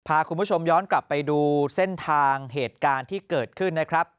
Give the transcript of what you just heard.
พาคุณผู้ชมย้อนกลับไปดูเส้นทางเหตุการณ์ที่เกิดขึ้นนะครับ